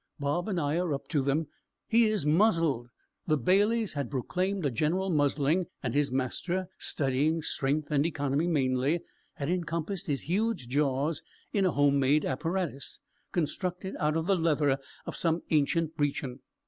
Bob and I are up to them. He is muzzled! The bailies had proclaimed a general muzzling, and his master, studying strength and economy mainly, had encompassed his huge jaws in a home made apparatus, constructed out of the leather of some ancient breechin.